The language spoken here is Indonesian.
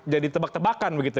jadi tebak tebakan begitu